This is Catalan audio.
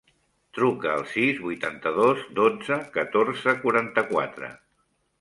Truca al sis, vuitanta-dos, dotze, catorze, quaranta-quatre.